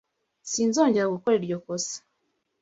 Sinzongera gukora iryo kosa.